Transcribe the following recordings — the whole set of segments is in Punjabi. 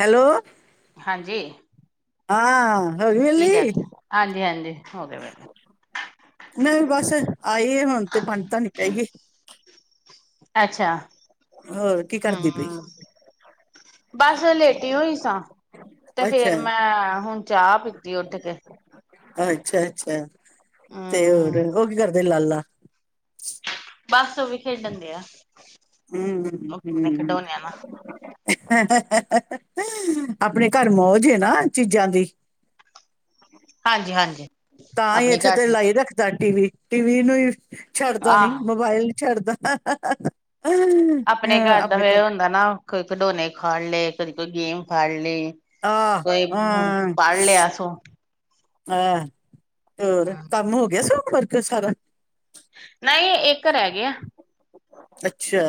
ਹੈਲੋ, ਹਾਂਜੀ ਹਾਂ। ਕੀ ਹਵੇਲੀ ਕਰਦੇ? ਹਾਂਜੀ, ਹਾਂਜੀ ਹੋਗੇ ਵੈਲੇ। ਨਹੀਂ ਬਸ ਆਈ ਆ ਹੁਣ ਤੇ ਫ ਤਾਂ ਨ ਪੈ ਗਈ। ਅੱਛਾ। ਹੋਰ ਕੀ ਕਰਦੀ ਪਈ? ਹੂੰ ਬਸ ਲੇਟੀ ਹੋਈ ਸਾਂ। ਤੇ ਅੱਛਾ ਫੇਰ ਮੈਂ ਹੁਨ ਚਾ ਪੀਤੀ ਉੱਠ ਕੇ। ਅੱਛਾ-ਅੱਛਾ ਤੇ ਹੋਰ ਹੂੰ ਓ ਕੀ ਕਰਦੇ ਲਾਲਾ? ਬਸ ਓ ਵੀ ਖੇਡਣ ਦੇ ਆ। ਹੂੰ-ਹੂੰ। ਨਾਲ ਆਪਨੇ ਘਰ ਮੌਜ ਏ ਨਾ ਚੀਜ਼ਾਂ ਦੀ। ਹਾਂਜੀ-ਹਾਂਜੀ। ਤਾਂ ਈ ਇੱਥੇ ਤੇ ਲਾਈ ਰੱਖਦਾ ਟੀ ਵੀ ਟੀਵੀ ਨੂੰ ਈ ਛੱਡਦਾ ਨੀ ਆਹ ਮੋਬਾਇਲ ਨੀ ਛੱਡਦਾ। ਆਪਨੇ ਹਾਂ ਘਰ ਦਾ ਆਪਣੇ ਫਿਰ ਓ ਹੁੰਦਾ ਨਾ ਕੋਈ ਖਿਡੋਨੇ ਖਾੜ ਲੇ ਕਦੀ ਕੋਈ ਗੇਮ ਫੜ ਲੀ। ਆਹ ਕੋਈ ਹੁੰ ਪੜ ਲੇਆ ਸੋ ਐ ਹੋਰ ਕੰਮ ਹੋ ਗਿਆ ਸੂ ਵਰਕ ਸਾਰਾ ਨਈਂ ਇੱਕ ਰੈ ਗਿਆ। ਅੱਛਿਆ।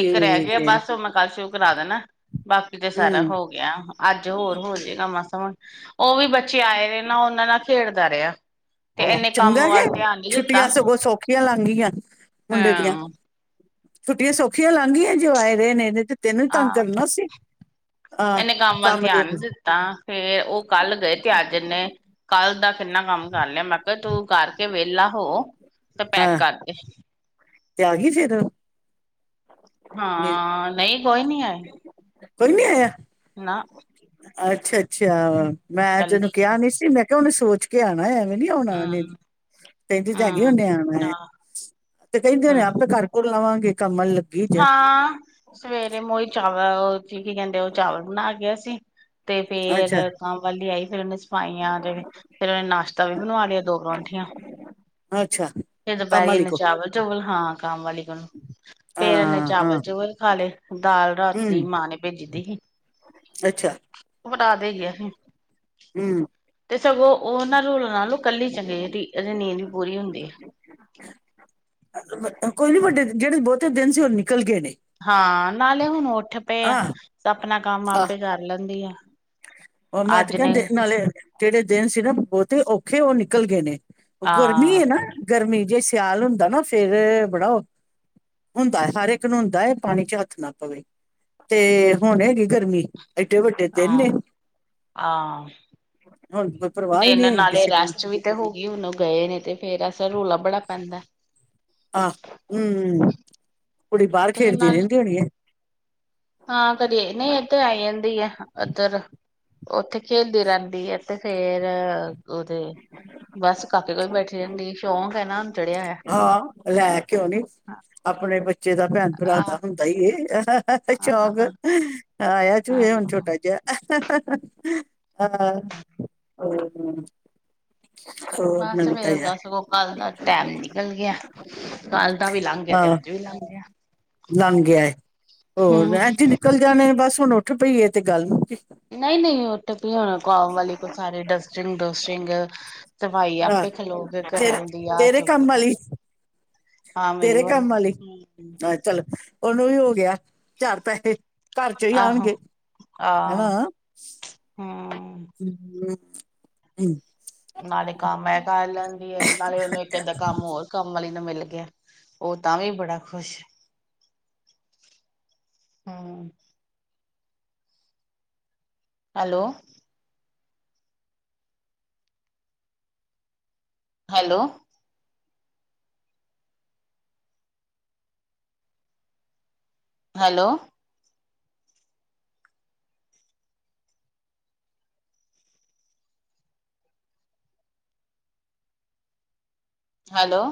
ਇੱਕ ਰੈ ਗਿਆ ਬਸ ਓ ਮੈਂ ਕੱਲ ਸ਼ੁਰੂ ਕਰਾ ਦੇਨਾ ਬਾਕੀ ਤੇ ਸਾਰਾ ਹੂੰ, ਹੋ ਗਿਆ ਅੱਜ ਹੋਰ ਹੋ ਜੇਗਾ ਮਾਸਾਂ ਓ ਵੀ ਬੱਚੇ ਆਏ ਰਏ ਨਾ ਓਨਾਂ ਨਾਲ ਖੇਡਦਾ ਰਿਆ। ਆ ਚੰਗਾ ਕਿ ਦਿੱਤਾ ਛੁੱਟੀਆਂ ਸਗੋਂ ਸੌਖੀਆਂ ਲਾਂਗੀਆਂ ਮੁੰਡੇ ਦੀਆਂ। ਹਾਂ ਛੁੱਟੀਆਂ ਸੌਖੀਆਂ ਲਾਂਘੀਆਂ ਜੇ ਓ ਆਏ ਰਏ ਨੇ ਨਈਂ ਤੇ ਤੈਨੂੰ ਈ ਤੰਗ ਕਰਨਾ ਸੀ। ਹਾਂ ਏਨੇ ਕੰਮ ਵੱਲ ਤੇ ਧਿਆਨ ਨੀ ਦਿੱਤਾ ਫੇਰ ਓ ਕੱਲ ਗਏ ਤੇ ਅੱਜ ਏਨੇ ਕੱਲ ਦਾ ਕਿੰਨਾ ਕੰਮ ਕਰ ਲਿਆ ਮੈਂ ਕਿਆ ਤੂੰ ਕਰਕੇ ਵੇਲਾ ਹੋ ਤੇ ਪੈਕ ਹਾਂ ਕਰ ਦੇ। ਤੇ ਆ ਗੀ ਫੇਰ ਹਾਂ ਨਈਂ ਕੋਈ ਨੀ ਆਏ ਕੋਈ ਨੀ ਆਏਆ? ਨਾ। ਅੱਛਾ-ਅੱਛਿਆ ਮੈਂ ਤੈਨੂੰ ਕੱਲੀ ਆ ਕਿਆ ਨੀ ਸੀ ਮੈਂ ਕਿਆ ਓਨੇ ਸੋਚ ਕੇ ਆਨਾ ਐਵੇਂ ਨੀ ਔਨਾ ਓਨੇ ਹਮ ਕੈਂਦੀ ਤਾ ਹੈਗੀ ਹਮ ਓਨੇ ਆਨੈ ਆਹ ਤੇ ਕੈਂਦੇ ਨੇ ਹਮ ਆਪੇ ਘਰ- ਘੁਰ ਲਵਾਂਗੇ ਕੰਮ ਆਲੀ ਲੱ ਹਾਂ ਸਵੇਰੇ ਮੋਈ ਚਾਵਲ ਕੀ ਕੈਂਦੇ ਓ ਚਾਵਲ ਬਨਾ ਗਿਆ ਸੀ। ਤੇ ਫੇਰ ਅੱਛਾ ਕੰਮ ਵਾਲੀ ਆਈ ਫ਼ਿਰ ਓਨੇ ਸਫਾਈਆਂ ਤੇ ਫੇਰ ਓਨੇ ਨਾਸ਼ਤਾ ਵੀ ਬਨਵਾ ਲਿਆ ਦੋ ਪਰੌਂਠੀਆਂ ਅੱਛਾ। ਫਿਰ ਕੰਮ ਦੁਪੈਰੀ ਵਾਲੀ ਏਨੇ ਕੋਲ ਚਾਵਲ-ਚੂਵਲ ਹਾਂ ਕੰਮ ਵਾਲੀ ਕੋਲੋ ਫੇਰ ਏਨੇ ਹਾਂ ਹਾਂ ਚਾਵਲ-ਚੂਵਲ ਖਾ ਲੇ ਦਾਲ ਰਾਤੀ ਹੂੰ ਮਾਂ ਨੇ ਭੇਜੀ ਦੀ ਗੀ ਅੱਛਾ। ਵਟਾ ਦੇਗੇਆ ਸੀ। ਹੂੰ ਤੇ ਸਗੋਂ ਓਨਾਂ ਰੂਲਾਂ ਨਾਲੋਂ ਕੱਲੀ ਚੰਗੀ ਜੇੜੀ ਨੀਂਦ ਵੀ ਪੂਰੀ ਹੁੰਦੀ ਐ। ਕੋਈ ਨੀ ਵੱਡੇ ਜੇੜੇ ਬੋਤੇ ਦਿਨ ਸੀ ਓ ਨਿਕਲ ਗੇ ਨੇ। ਹਾਂ ਨਾਲੇ ਹੁਨ ਉੱਠ ਪਏ ਆ ਆਹ ਆਪਨਾ ਕੰਮ ਆਪੇ ਕਰ ਲੈਂਦੀ ਆ। ਓ ਮੈਂ ਤੇ ਅੱਜ ਨੇ ਕੈਂਦੇ ਨਾਲੇ ਜੈੜੇ ਦਿਨ ਸੀ ਨਾ ਬੋਤੇ ਔਖੇ ਓ ਨਿਕਲ ਗੇ ਨੇ। ਓ ਆ ਗਰਮੀ ਏ ਨਾ ਗਰਮੀ ਜੇ ਸਿਆਲ ਹੁੰਦਾ ਨਾ ਫੇਰ ਬੜਾ ਔ ਹੁੰਦਾ ਐ ਹਰ ਇੱਕ ਨੂੰ ਹੁੰਦਾ ਐ ਪਾਣੀ ਚ ਹੱਥ ਨਾ ਪਵੇ ਤੇ ਹੁਨ ਹੈਗੀ ਗਰਮੀ- ਏਦੇ ਵੱਡੇ ਦਿਨ ਨੇ। ਹਾਂ ਹੁਣ ਕੋਈ ਪਰਵਾਹ ਹੀ ਨਹੀਂ ਦਿਨ ਹੈਗੀ ਨਾਲੇ ਕਿਸੇ ਨੂੰ ਰੈਸਟ ਵੀ ਤੇ ਹੋ ਗਈ ਹੁਣ ਉਹ ਗਏ ਨੇ ਤੇ ਫੇਰ ਅਸਰਾ ਰੌਲਾ ਬੜਾ ਪੈਂਦਾਂ ਹੈ। ਆਹ ਹਮ ਕੁੜੀ ਬਾਹਰ ਤੇ ਖੇਡਦੀ ਨਾਲ ਰਹਿੰਦੀ ਹੋਣੀ ਹੈ। ਹਾਂ ਕਰੀਏ ਨਹੀਂ ਇਏਧਰ ਆਈ ਜਾਂਦੀ ਆ ਇੱਧਰ ਉੱਥੇ ਖੇਲਦੀ ਰਹਿੰਦੀ ਆ, ਤੇ ਫੇਰ ਉਹਦੇ ਬਸ ਕਾਕੇ ਕੋਲਈ ਬੈਠੀ ਰਹਦੀ ਸ਼ੌਕ ਹੈ ਨਾ। ਚੜਿਆ ਹੋਇਆ ਹਾਂ ਲੈ ਕੇਉ ਨੀ ਆਪਣੇ ਬੱਚੇ ਦਾ ਭੈਣ ਭਰਾ ਆਹ ਦਾ ਹੁੰਦਾ ਹੀ ਏ। ਸ਼ੌਕ ਹਾਂ ਆਇਆ ਜੋ ਹਾਂ ਇਹ ਹੁਣ ਛੋਟਾ ਜਿਹਾ। ਹਾ- ਬਸ ਫੇਰ ਦੱਸਗੋ ਕੱਲ ਦਾ ਟੈਮ ਨ- ਚਲ ਗਿਆ ਕੱਲ ਦਾ ਵੀ ਲੰਘ ਗਿਆ, ਤੇ ਹਾਂ ਅੱਜ ਵੀ ਲੰਘ ਗਿਆ ਲੰਘ ਗਿਆ ਹੋਰ ਹਮ ਅਜੀ ਨਿਕਲ ਜਾਣੇ ਬਸ ਹੁਣ ਉੱਠ ਪਈ ਤੇ ਗੱਲ ਮੁਕੀ- ਨਹੀਂ ਨਹੀਂ ਉਹ ਤਾਂ ਹੋ ਕੋ ਆਮ ਵਾਲੀ ਕੋ ਸਾਰੇ ਡਸਟਿੰਗ ਡੋਸਟਿੰਗ ਦਵਾਈ ਹਾਂ ਆਪੇ ਖਲੋਗੇ ਘਰਾਂ ਤੇਰੇ ਦੀ ਆਹ ਤੇਰੇ ਕੰਮ ਚੁਪ- ਵਾਲੀ ਹਾਂ ਮੇਰੀ ਤੇਰੇ ਕੰਮ ਵਾਲੀ ਵਾਰੀ- ਹਾਂ ਚਲ ਉਹਨੂੰ ਵੀ ਹੋ ਗਿਆ ਚਾਰ ਪੈਸੇ ਘਰ ਚ ਹੀ ਆਹੋ ਆਉਣਗੇ। ਆਹ ਹਮ। ਹਮ ਹਮ- [inaudible] ਨਾਲੇ ਕੰਮ ਹੈ ਕਰ ਲੈਂਦੀ ਹੈ, ਨਾਲੇ ਉਹਨੂੰ ਇੱਕ ਏਦਾਂ ਕੰਮ ਹੋਰ ਕੰਮ ਆਲੀ ਮਿਲ ਗਿਆ ਉਹ ਤਾਂ ਵੀ ਬੜਾ ਖੁਸ਼ ਹਮ- ਹੈਲੋ- ਹੈਲੋ- ਹੈਲੋ- ਹੈਲੋ-